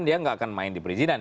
dia nggak akan main di perizinan